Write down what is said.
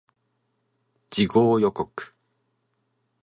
次号予告